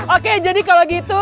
oke jadi kalau gitu